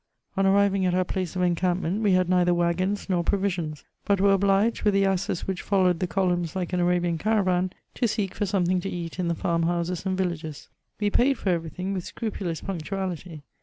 On arriving at our place of encampment, we had neither waggons nor provisions, but were obliged, with the asses which followed the columns like an Arabian caravan, to seek for something to eat in the farm houses and villages. We paid for every thing with scrupulous punctuality.